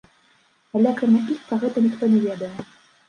Але акрамя іх, пра гэта ніхто не ведае.